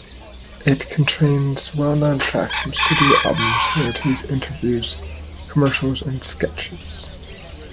It contains well-known tracks from studio albums, rarities, interviews, commercials, and sketches.